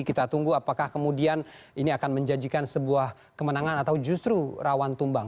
kita tunggu apakah kemudian ini akan menjanjikan sebuah kemenangan atau justru rawan tumbang